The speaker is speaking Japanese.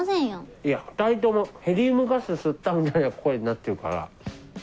いや２人ともヘリウムガス吸ったみたいな声になってるから。